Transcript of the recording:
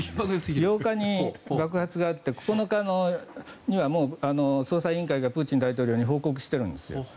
８日に爆発があって９日には捜査委員会がプーチン大統領に報告しているんです。